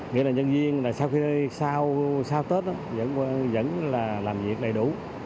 nghĩa là nhân viên sau tết vẫn làm việc đầy đủ